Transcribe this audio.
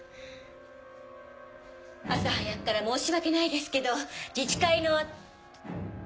朝早くから申し訳ないですけど自治会の。